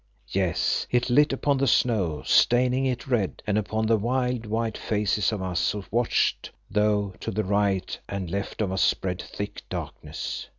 Yes, it lit upon the snow, staining it red, and upon the wild, white faces of us who watched, though to the right and left of us spread thick darkness.